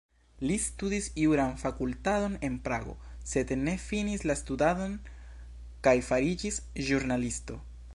Li studis juran fakultaton en Prago, sed ne finis la studadon kaj fariĝis ĵurnalisto.